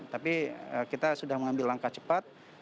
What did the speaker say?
tapi kita sudah mengambil langkah cepat